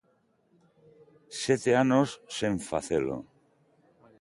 Sete anos sen facelo.